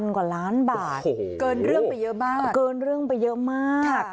๓๐๐๐กว่าล้านบาทเกินเรื่องไปเยอะมาก